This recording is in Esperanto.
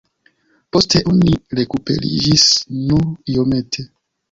Poste oni rekuperiĝis nur iomete.